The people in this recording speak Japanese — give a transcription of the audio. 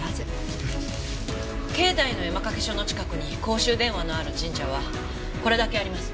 境内の絵馬掛け所の近くに公衆電話のある神社はこれだけあります。